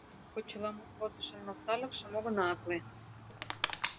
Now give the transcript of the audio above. Почеламут возышын мастарлыкшым огына акле.